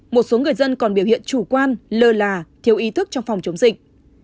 một số người dân còn biểu hiện chủ quan lơ là thiếu ý thức trong phòng chống dịch